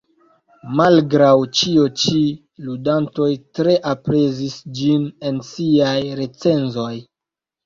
Malgraŭ ĉio ĉi, ludantoj tre aprezis ĝin en siaj recenzoj.